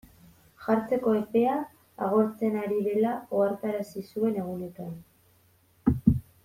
Jartzeko epea agortzen ari dela ohartarazi zuen egunetan.